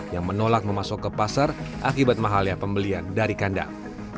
yang menolak memasuk ke pasar akibat mahalnya pembelian dari kandang